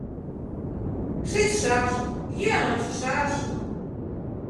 Шичшаш, йӱын ончышаш.